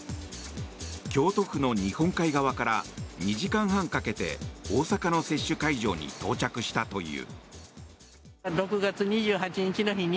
京都府の日本海側から２時間半かけて大阪の接種会場に到着したという。